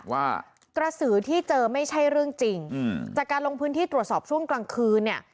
ว่ากระสือที่เจอไม่ใช่เรื่องจริงจากการลงพื้นที่ตรวจสอบช่วงกลางคืนเนี่ย